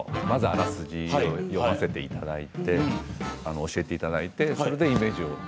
まず、あらすじを読ませていただいて教えていただいてそれでイメージを。